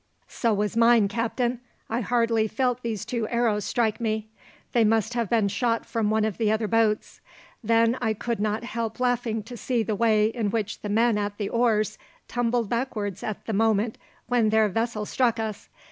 "So was mine, captain. I hardly felt these two arrows strike me. They must have been shot from one of the other boats. Then I could not help laughing to see the way in which the men at the oars tumbled backwards at the moment when their vessel struck us.